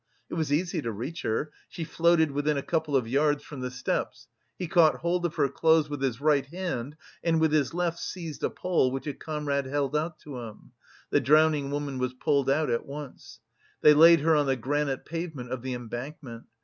It was easy to reach her: she floated within a couple of yards from the steps, he caught hold of her clothes with his right hand and with his left seized a pole which a comrade held out to him; the drowning woman was pulled out at once. They laid her on the granite pavement of the embankment.